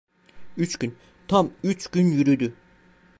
Üç gün, tam üç gün yürüdü…